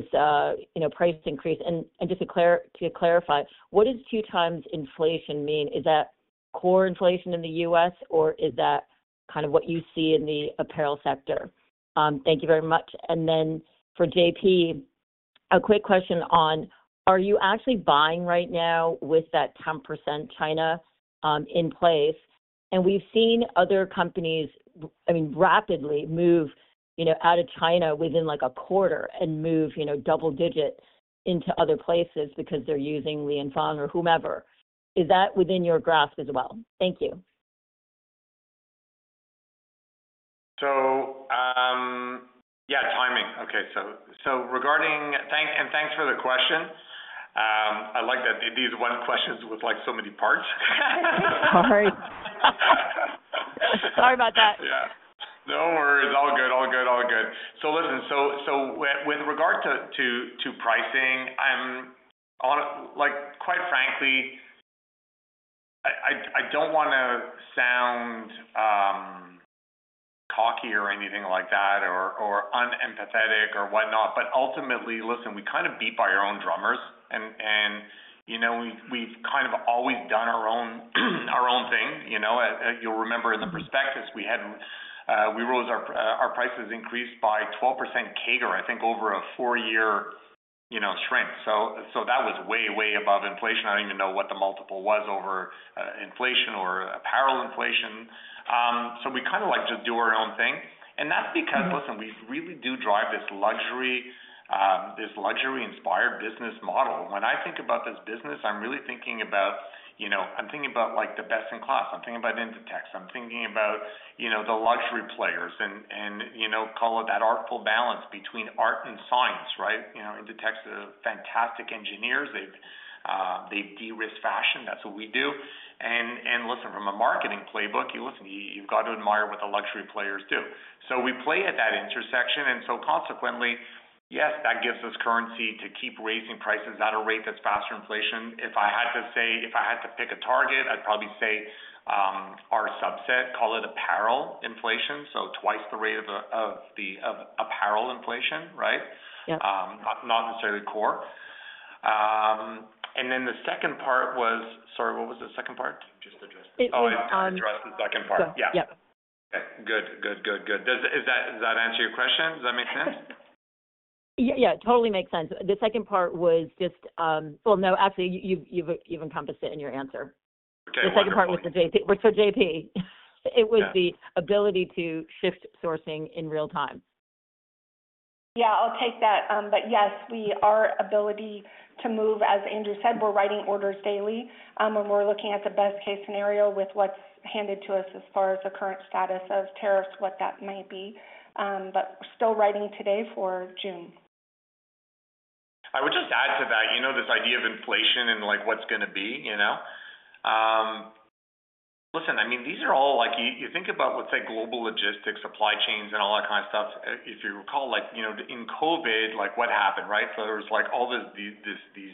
know, price increase? Just to clarify, what does two times inflation mean? Is that core inflation in the U.S. or is that kind of what you see in the apparel sector? Thank you very much. For JP, a quick question on, are you actually buying right now with that 10% China in place? We've seen other companies, I mean, rapidly move, you know, out of China within like a quarter and move, you know, double digit into other places because they're using Lian Fang or whomever. Is that within your grasp as well? Thank you. Yeah, timing. Okay. Regarding, and thanks for the question. I like that these one questions with like so many parts. Sorry. Sorry about that. Yeah. No worries. All good. All good. All good. So listen, with regard to pricing, I'm like quite frankly, I don't want to sound cocky or anything like that or unempathetic or whatnot, but ultimately, listen, we kind of beat by our own drummers. You know, we've kind of always done our own thing, you know? You'll remember in the prospectus, we had, we rose our prices increased by 12% CAGR, I think over a four-year, you know, shrink. That was way, way above inflation. I don't even know what the multiple was over inflation or apparel inflation. We kind of like just do our own thing. That's because, listen, we really do drive this luxury, this luxury-inspired business model. When I think about this business, I'm really thinking about, you know, I'm thinking about like the best in class. I'm thinking about INDITEX. I'm thinking about, you know, the luxury players and, you know, call it that artful balance between art and science, right? You know, INDITEX are fantastic engineers. They've de-risked fashion. That's what we do. Listen, from a marketing playbook, you listen, you've got to admire what the luxury players do. We play at that intersection. Consequently, yes, that gives us currency to keep raising prices at a rate that's faster than inflation. If I had to say, if I had to pick a target, I'd probably say our subset, call it apparel inflation. So twice the rate of the apparel inflation, right? Not necessarily core. The second part was, sorry, what was the second part? Just address the second part. Oh, sorry. Just address the second part. Yeah. Yeah. Okay. Good. Good. Good. Does that answer your question? Does that make sense? Yeah. Yeah. Totally makes sense. The second part was just, actually you've encompassed it in your answer. Okay. The second part was for JP It was the ability to shift sourcing in real time. Yeah. I'll take that. Yes, we are ability to move. As Andrew said, we're writing orders daily. We're looking at the best case scenario with what's handed to us as far as the current status of tariffs, what that might be. We're still writing today for June. I would just add to that, you know, this idea of inflation and like what's going to be, you know? Listen, I mean, these are all like, you think about, let's say, global logistics, supply chains and all that kind of stuff. If you recall, like, you know, in COVID, like what happened, right? There was like all these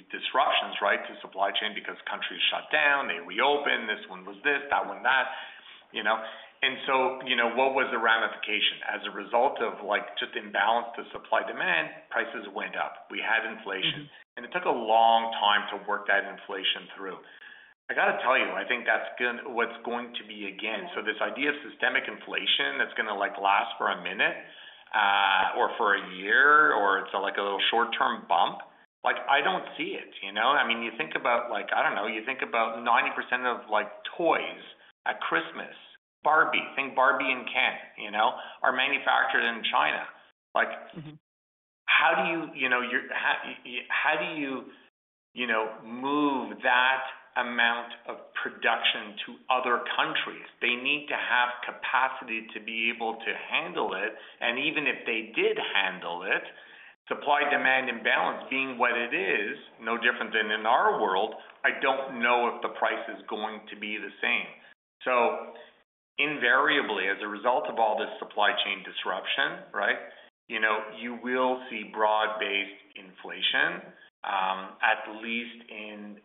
disruptions, right, to supply chain because countries shut down, they reopened, this one was this, that one that, you know? You know, what was the ramification? As a result of like just imbalance to supply demand, prices went up. We had inflation. It took a long time to work that inflation through. I got to tell you, I think that's going to be again, so this idea of systemic inflation that's going to like last for a minute or for a year or it's like a little short-term bump, like I don't see it, you know? I mean, you think about like, I don't know, you think about 90% of like toys at Christmas, Barbie, think Barbie and Ken, you know, are manufactured in China. Like how do you, you know, how do you, you know, move that amount of production to other countries? They need to have capacity to be able to handle it. And even if they did handle it, supply demand imbalance being what it is, no different than in our world, I don't know if the price is going to be the same. Invariably, as a result of all this supply chain disruption, right, you know, you will see broad-based inflation, at least in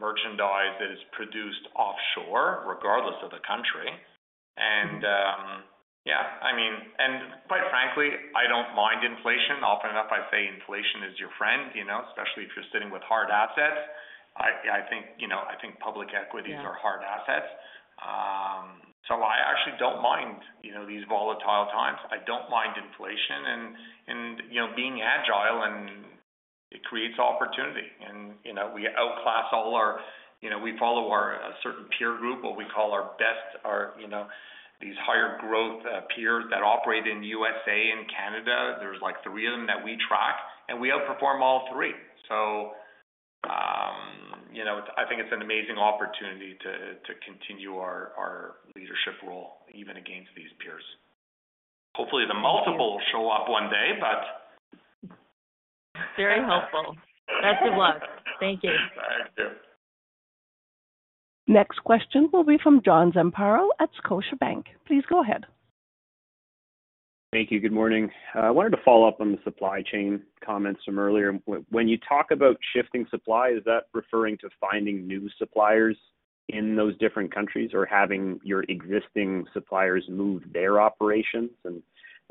merchandise that is produced offshore, regardless of the country. I mean, and quite frankly, I do not mind inflation. Often enough, I say inflation is your friend, you know, especially if you are sitting with hard assets. I think, you know, I think public equities are hard assets. I actually do not mind, you know, these volatile times. I do not mind inflation and, you know, being agile and it creates opportunity. You know, we outclass all our, you know, we follow our certain peer group, what we call our best, our, you know, these higher growth peers that operate in the U.S. and Canada. There are like three of them that we track and we outperform all three. You know, I think it's an amazing opportunity to continue our leadership role even against these peers. Hopefully the multiple will show up one day. Very helpful. Best of luck. Thank you. Thank you. Next question will be from John Zamparo at Scotiabank. Please go ahead. Thank you. Good morning. I wanted to follow up on the supply chain comments from earlier. When you talk about shifting supply, is that referring to finding new suppliers in those different countries or having your existing suppliers move their operations?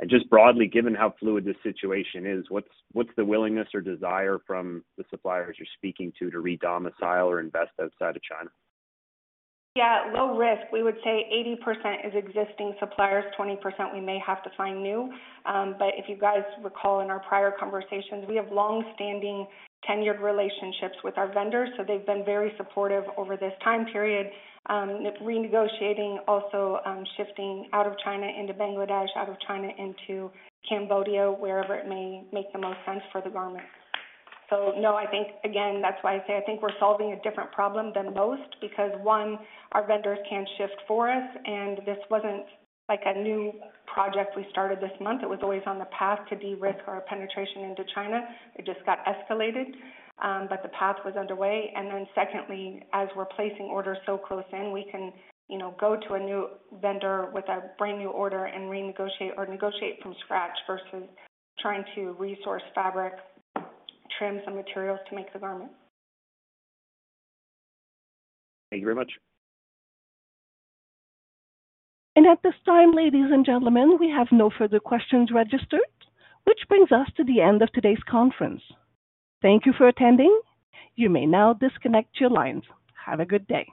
Just broadly, given how fluid this situation is, what's the willingness or desire from the suppliers you're speaking to to re-domicile or invest outside of China? Yeah. Low risk. We would say 80% is existing suppliers, 20% we may have to find new. If you guys recall in our prior conversations, we have long-standing tenured relationships with our vendors. They have been very supportive over this time period, renegotiating, also shifting out of China into Bangladesh, out of China into Cambodia, wherever it may make the most sense for the garment. No, I think, again, that is why I say I think we are solving a different problem than most because one, our vendors can shift for us. This was not like a new project we started this month. It was always on the path to de-risk our penetration into China. It just got escalated, but the path was underway. As we're placing orders so close in, we can, you know, go to a new vendor with a brand new order and renegotiate or negotiate from scratch versus trying to resource fabric, trims, and materials to make the garment. Thank you very much. At this time, ladies and gentlemen, we have no further questions registered, which brings us to the end of today's conference. Thank you for attending. You may now disconnect your lines. Have a good day.